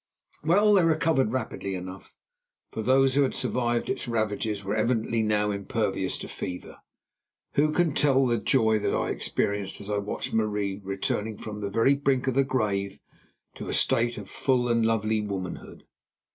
Well, they recovered rapidly enough, for those who had survived its ravages were evidently now impervious to fever. Who can tell the joy that I experienced as I watched Marie returning from the very brink of the grave to a state of full and lovely womanhood?